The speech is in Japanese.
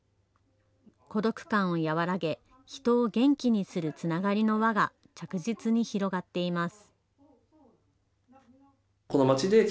孤独感を和らげ、人を元気にするつながりの輪が着実に広がっています。